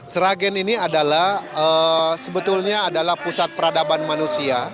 sragen ini adalah sebetulnya adalah pusat peradaban manusia